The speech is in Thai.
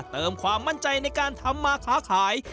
เติมความมั่นใจในการทำมาค้าขาย